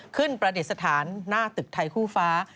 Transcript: ขึ้นประเด็จสถานหน้าถึกไทยฟ้า